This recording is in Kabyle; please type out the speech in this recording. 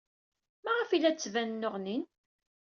Maɣef ay la d-ttbanen nneɣnin?